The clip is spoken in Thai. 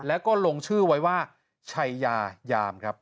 แล้วก็ลงชื่อไว้ว่าชัยยายามครับ